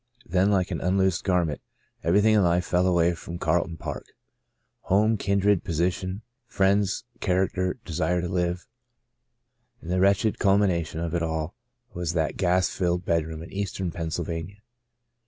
'* Then like an unloosed gar ment everything in life fell away from Carl ton Park — home, kindred, position, friends, character, desire to live. And the wretched culmination of it all was that gas filled bed room in eastern Pennsylvania.